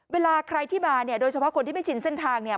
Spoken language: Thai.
เวลาใครที่มาเนี่ยโดยเฉพาะคนที่ไม่ชินเส้นทางเนี่ย